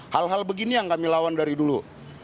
hal hal begini yang kami lawan dari dulu